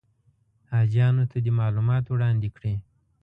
حاجیانو ته دې معلومات وړاندې کړي.